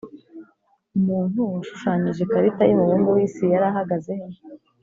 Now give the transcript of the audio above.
Umuntu washushanyije ikarita yumubumbe wisi yarahagazehe